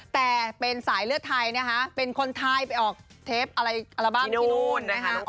แต่เป็นสายเลือดไทยนะคะเป็นคนไทยไปออกเทปอะไรอัลบั้มที่นู่นนะคะ